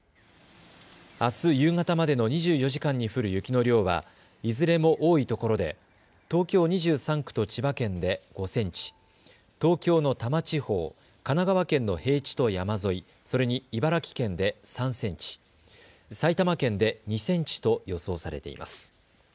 あす夕方までの２４時間に降る雪の量はいずれも多いところで東京２３区と千葉県で５センチ、東京の多摩地方、神奈川県の平地と山沿い、それに茨城県で３センチ、埼玉県で２センチと予想されています。